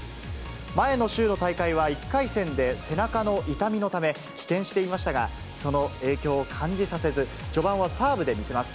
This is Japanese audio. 前の週の大会は１回戦で背中の痛みのため、棄権していましたが、その影響を感じさせず、序盤はサーブで見せます。